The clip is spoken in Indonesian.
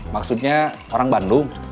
maksudnya orang bandung